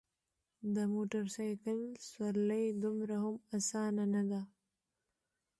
د موټرسایکل سوارلي دومره هم اسانه نده.